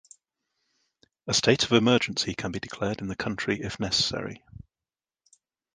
A state of emergency can be declared in the country if necessary.